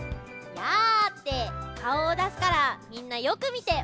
「やあ」ってかおをだすからみんなよくみてまねをしてね。